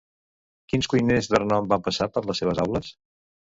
Quins cuiners de renom van passar per les seves aules?